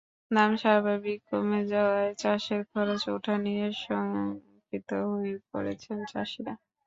দাম অস্বাভাবিক কমে যাওয়ায় চাষের খরচ ওঠা নিয়ে শঙ্কিত হয়ে পড়েছেন চাষিরা।